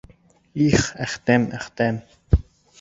Их, Әхтәм, Әхтәм!